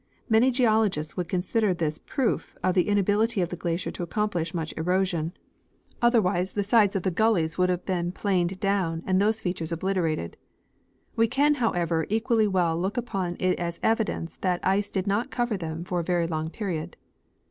Many geologists would consider this a proof of the in ability of the glacier to accomplish much erosion ; otherwise the Tlie buried Fared. 39 sides of the gullies would' have been planed down and these features obliterated. We can, however, equally well look upon it as evidence that the ice did not cover them' for a very long period.